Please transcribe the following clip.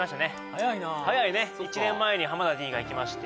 早いな早いね１年前に田Ｄが行きまして・